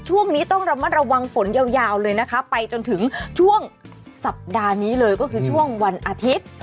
ช่วงนี้ต้องระมัดระวังฝนยาวเลยนะคะไปจนถึงช่วงสัปดาห์นี้เลยก็คือช่วงวันอาทิตย์